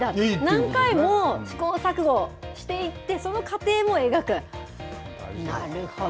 何回も試行錯誤していって、その過程も描く、なるほど。